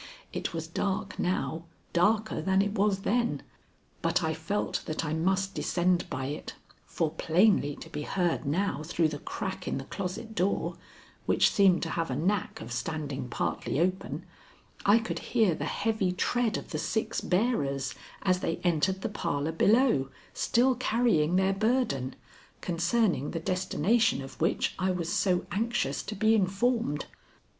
It was dark now, darker than it was then, but I felt that I must descend by it, for plainly to be heard now through the crack in the closet door, which seemed to have a knack of standing partly open, I could hear the heavy tread of the six bearers as they entered the parlor below, still carrying their burden, concerning the destination of which I was so anxious to be informed.